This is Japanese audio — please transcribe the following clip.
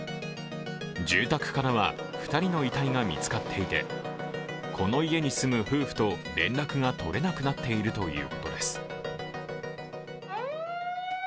住宅からは２人の遺体が見つかっていて、この家に住む夫婦と連絡が取れなくなっているということです。